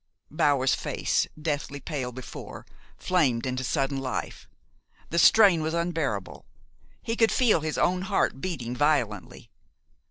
Bower's face, deathly pale before, flamed into sudden life. The strain was unbearable. He could feel his own heart beating violently.